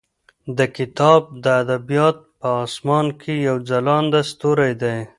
دا کتاب د ادبیاتو په اسمان کې یو ځلانده ستوری دی.